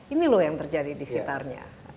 ini loh yang terjadi di sekitarnya